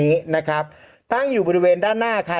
โอเคโอเคโอเคโอเคโอเค